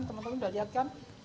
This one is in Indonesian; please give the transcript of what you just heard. teman teman sudah lihat kan